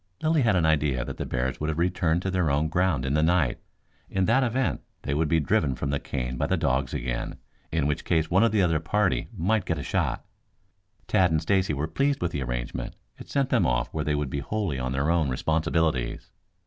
Lilly had an idea that the bears would have returned to their own ground in the night. In that event they would be driven from the cane by the dogs again, in which case one or the other of the party might get a shot. Tad and Stacy were pleased with the arrangement. It sent them off where they would be wholly on their own responsibilities.